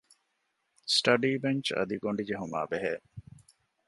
ސްޓަޑީ ބެންޗް އަދި ގޮޑި ޖެހުމާއި ބެހޭ